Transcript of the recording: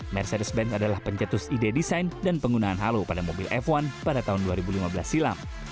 mercedes benz adalah pencetus ide desain dan penggunaan halo pada mobil f satu pada tahun dua ribu lima belas silam